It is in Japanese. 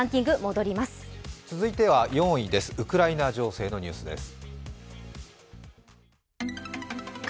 つづいてはウクライナ情勢のニュースです。